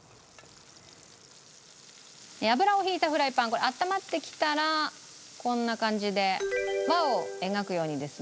油を引いたフライパンあったまってきたらこんな感じで輪を描くようにですね